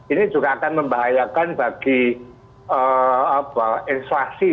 ini juga akan membahayakan bagi inflasi